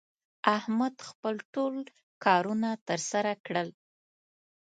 احمد خپل ټول کارونه تر سره کړل